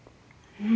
うん！